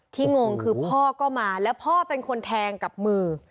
งงคือพ่อก็มาแล้วพ่อเป็นคนแทงกับมือ